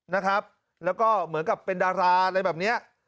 นะครับแล้วก็เหมือนกับเป็นดาราอะไรแบบเนี้ย